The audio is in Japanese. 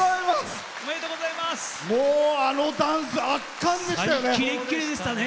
あのダンス圧巻でしたよね。